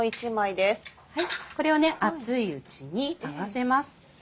これを熱いうちに合わせます。